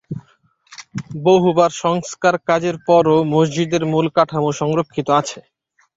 বহুবার সংস্কার কাজের পরও মসজিদের মূল কাঠামো সংরক্ষিত আছে।